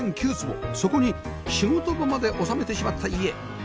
そこに仕事場まで収めてしまった家